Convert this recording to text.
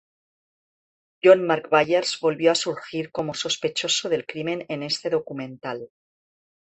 John Mark Byers volvió a surgir como sospechoso del crimen en este documental.